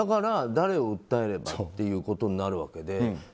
だから誰を訴えればということになるわけで。